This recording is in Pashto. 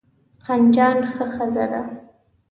قندجان ښه ښځه ده.